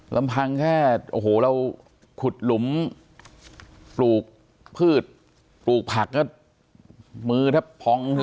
ลำพังแค่โอ้โหเราขุดหลุมปลูกพืชปลูกผักก็มือแทบพอง